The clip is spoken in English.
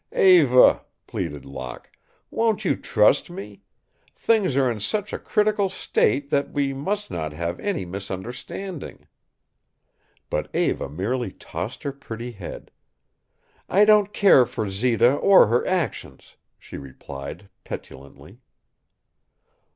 "Eva," pleaded Locke, "won't you trust me? Things are in such a critical state that we must not have any misunderstanding." But Eva merely tossed her pretty head. "I don't care for Zita or her actions," she replied, petulantly.